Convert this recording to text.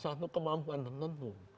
satu kemampuan tertentu